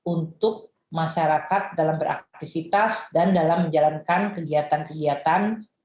untuk masyarakat dalam beraktivitas dan dalam menjalankan kegiatan kegiatan